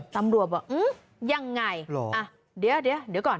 ตำรวจบอกยังไงอ่ะเดี๋ยวเดี๋ยวก่อน